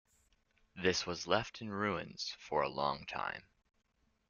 This was left in ruins for a long time.